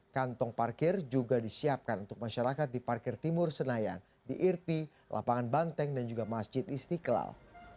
kantong parkir juga disiapkan untuk masyarakat di parkir timur senayan di irti lapangan banteng dan juga masjid istiqlal